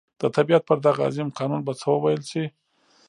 د طبعیت پر دغه عظیم قانون به څه وویل شي.